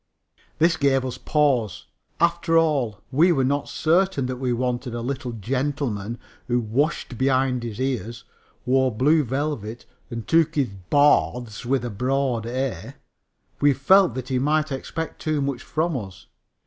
This gave us pause. After all, we were not certain that we wanted a little gentleman who washed behind the ears, wore blue velvet and took his baths with a broad "a." We felt that he might expect too much from us.